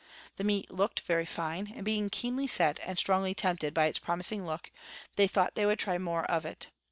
The meat looked very fine, and being keenly set and strongly tempted by its promising look, they thought they would try more of it.